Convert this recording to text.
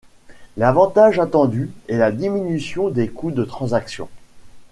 L'avantage attendu est la diminution des coûts de transaction.